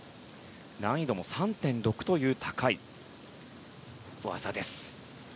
難易度も３．６という高い技。